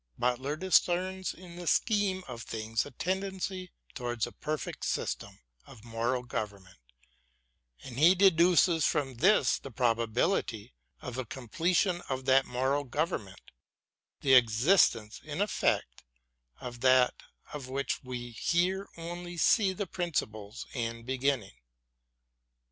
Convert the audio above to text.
Butler discerns in tiie scheme of things a tendency towards a perfect system of BROWNING AND BUTLER 211 moral government, and he deduces from this the probability of a completion of that moral govern ment, the existence, in effect, of that of which we here only see the principles and beginning.